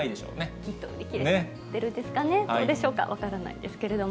きっと売り切れちゃってるんですかね、どうでしょうか、分からないですけれども。